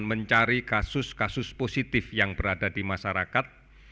mencari kasus kasus positif yang berada di masyarakat